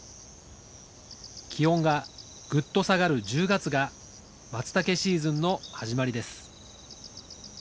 気温がぐっと下がる１０月がマツタケシーズンの始まりです